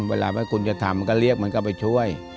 เวลาว่าคุณจะทำก็เรียกมันก็ไปช่วย